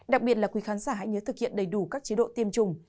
đặc biệt là quý khán giả hãy nhớ thực hiện đầy đủ các chế độ tiêm chủng